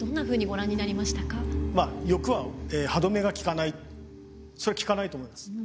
まあ欲は歯止めが利かないそれは利かないと思うんです。